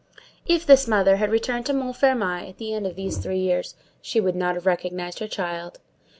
If this mother had returned to Montfermeil at the end of these three years, she would not have recognized her child.